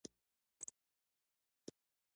د ډیرو سرښندنو په بدله کې.